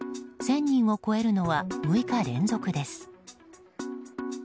１０００人を超えるのは６日連続です。